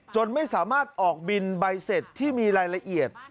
จนไม่สามารถออกบินใบเสร็จที่มีรายละเอียด